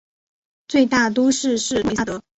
最大都市是诺维萨德。